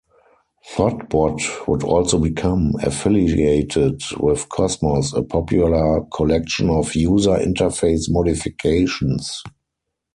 Thottbot would also become affiliated with Cosmos, a popular collection of user-interface modifications.